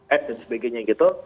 ad dan sebagainya gitu